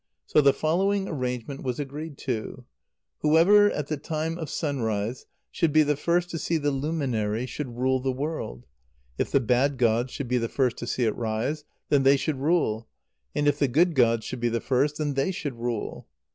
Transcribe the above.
So the following arrangement was agreed to: Whoever, at the time of sunrise, should be the first to see the luminary, should rule the world. If the bad gods should be the first to see it rise, then they should rule; and if the good gods should be the first, then they should rule.